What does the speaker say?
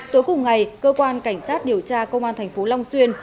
tối cùng ngày cơ quan cảnh sát điều tra công an thành phố long xuyên